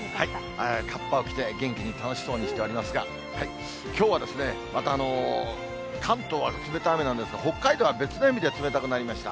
かっぱを着て、元気に楽しそうにしておりますが、きょうは、また関東は冷たい雨なんですが、北海道は別の意味で冷たくなりました。